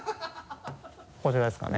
こちらですかね？